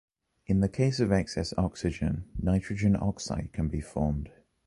In case of excess Oxygen, Nitrogen oxide van be formed.